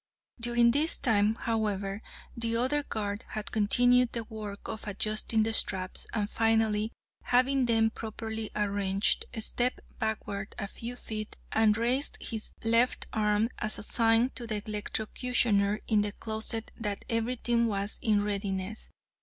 "During this time, however, the other guard had continued the work of adjusting the straps, and finally having them properly arranged, stepped backward a few feet and raised his left arm as a sign to the Electrocutioner in the closet that everything was in readiness.